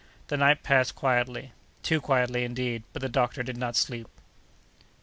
The night passed quietly—too quietly, indeed, but the doctor did not sleep!